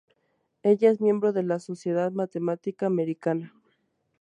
Ella es miembro de la Sociedad Matemática Americana.